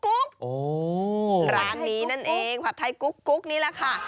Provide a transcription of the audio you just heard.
ร้านนี้นั่นเองผัดไทยกุ๊กนี่แหละค่ะ